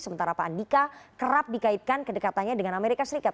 sementara pak andika kerap dikaitkan kedekatannya dengan amerika serikat